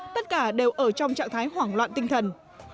tất cả đều ở trong trạng thái hoảng loạn tinh thần